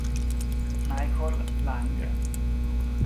Michael Lang